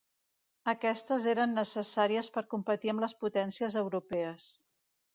Aquestes eren necessàries per competir amb les potències europees.